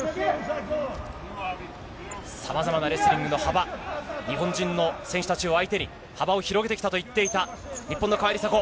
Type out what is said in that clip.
さまざまなレスリングの幅、日本人の選手たちを相手に幅を広げてきたと言っていた日本の川井梨紗子。